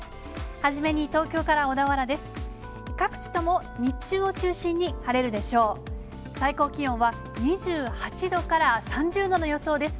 初めに東京から小田原です。